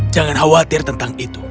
jangan khawatir tentang itu